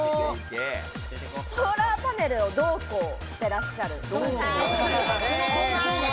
ソーラーパネルをどうこうしてらっしゃる感じ。